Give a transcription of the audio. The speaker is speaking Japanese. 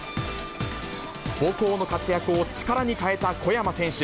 母校の活躍を力に変えた小山選手。